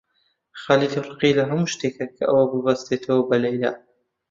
خەلیل ڕقی لە هەموو شتێکە کە ئەو ببەستێتەوە بە لەیلا.